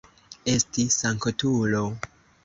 Esti sanktulo!